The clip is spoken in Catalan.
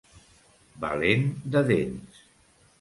Valent de dents.